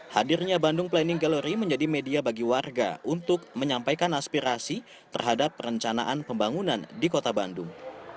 hadirnya bandung planning gallery menjadi media bagi warga untuk menyampaikan aspirasi terhadap perencanaan pembangunan di kota bandung